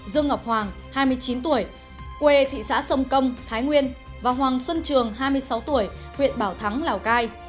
dương ngọc hoàng hai mươi chín tuổi quê thị xã sông công thái nguyên và hoàng xuân trường hai mươi sáu tuổi huyện bảo thắng lào cai